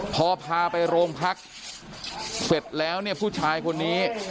พอพาไปโรงพักเสร็จแล้วเนี่ยผู้ชายคนนี้